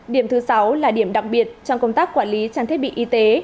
điểm thứ sáu là điểm đặc biệt trong công tác quản lý trang thiết bị y tế